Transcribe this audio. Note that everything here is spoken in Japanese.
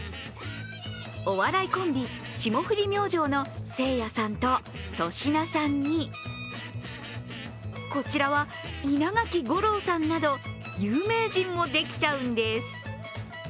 お笑いコンビ、霜降り明星のせいやさんと粗品さんにこちらは稲垣吾郎さんなど、有名人もできちゃうんです。